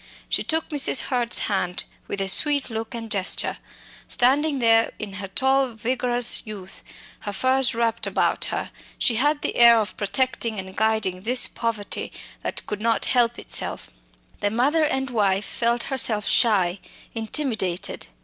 She took Mrs. Hurd's hand with a sweet look and gesture. Standing there in her tall vigorous youth, her furs wrapped about her, she had the air of protecting and guiding this poverty that could not help itself. The mother and wife felt herself shy, intimidated.